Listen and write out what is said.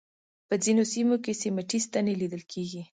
په ځینو سیمو کې سیمټي ستنې لیدل کېږي.